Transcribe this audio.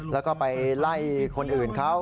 แล้วก็ไปไล่คนอื่นเขา